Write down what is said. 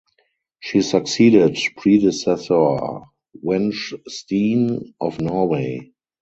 She succeeded predecessor Wenche Steen of Norway.